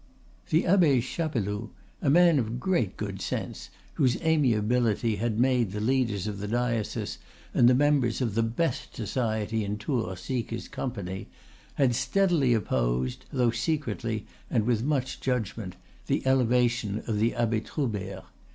The Abbe Chapeloud, a man of great good sense, whose amiability had made the leaders of the diocese and the members of the best society in Tours seek his company, had steadily opposed, though secretly and with much judgment, the elevation of the Abbe Troubert.